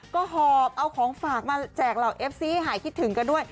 ก็หอบเอาของฝากมาแจกเหล่าเอฟซีให้หายคิดถึงกันด้วย